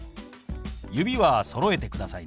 指はそろえてくださいね。